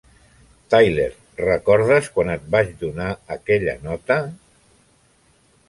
Tyler, recordes quan et vaig donar aquella nota?